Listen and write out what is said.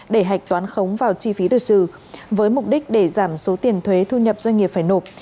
để hạch toán khống vào chi phí được trừ với mục đích để giảm số tiền thuế thu nhập doanh nghiệp phải nộp